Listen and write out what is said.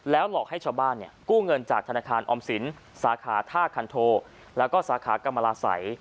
หลอกให้ชาวบ้านกู้เงินจากธนาคารออมสินสาขาท่าคันโทแล้วก็สาขากรรมลาศัย